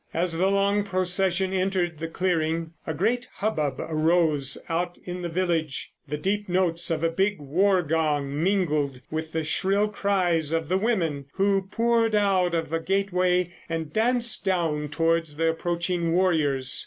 As the long procession entered the clearing, a great hubbub arose out in the village. The deep notes of a big war gong mingled with the shrill cries of the women, who poured out of a gateway and danced down towards the approaching warriors.